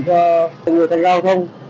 cho người tham gia giao thông